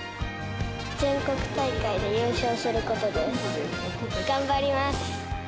全国大会で優勝することです。